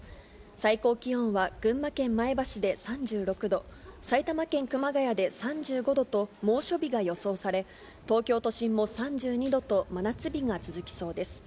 最高気温は群馬県前橋で３６度、埼玉県熊谷で３５度と、猛暑日が予想され、東京都心も３２度と真夏日が続きそうです。